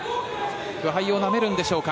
苦杯をなめるのでしょうか。